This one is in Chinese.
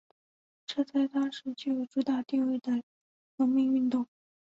这在当时是具有主导地位的农民运动。